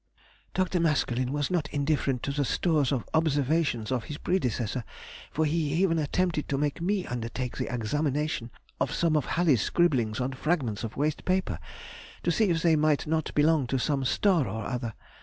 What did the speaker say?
"Dr. Maskelyne was not indifferent to the stores of observations of his predecessor, for he even attempted to make me undertake the examination of some of Halley's scribblings on fragments of waste paper [to see if they] might not belong to some star or other.